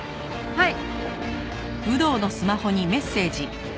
はい。